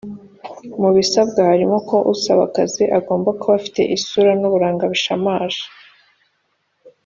mu bisabwa harimo ko usaba akazi agomba kuba afite isura n’uburanga bishamaje